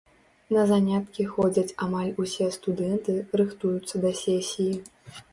На заняткі ходзяць амаль усе студэнты, рыхтуюцца да сесіі.